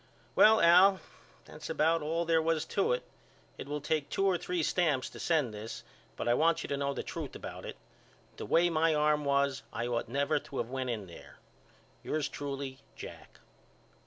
Well Al that's about all there was to it. It will take two or three stamps to send this but I want you to know the truth about it. The way my arm was I ought never to of went in there. Yours truly, JACK.